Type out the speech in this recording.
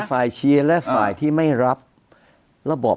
มีฝ่ายเชียร์และฝ่ายที่ไม่รับ